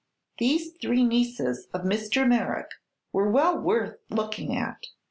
These three nieces of Mr. Merrick were well worth looking at.